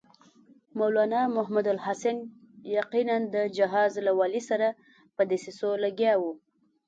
مولنا محمودالحسن یقیناً د حجاز له والي سره په دسیسو لګیا و.